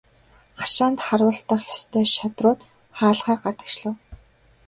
Хашаанд харуулдах ёстой шадрууд хаалгаар гадагшлав.